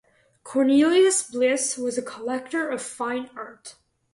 Cornelius Bliss was a collector of fine art.